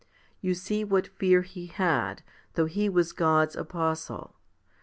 1 You see what fear he had, though he was God's apostle.